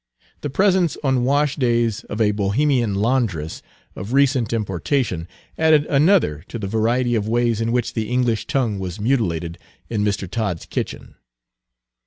The presence on washdays of a Bohemian laundress, of recent importation, added another to the variety of ways in which the English tongue was mutilated in Mr. Todd's kitchen.